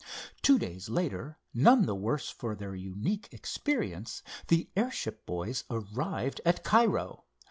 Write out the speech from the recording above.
Two days later, none the worse for their unique experience, the airship boys arrived at Cairo.